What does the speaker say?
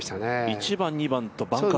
１番、２番とバンカー。